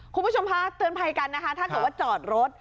คุณผู้ชมคะเตือนภัยกันนะคะถ้าเกิดว่าจอดรถ